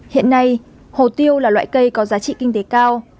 hiện nay hồ tiêu là loại cây có giá trị kinh tế cao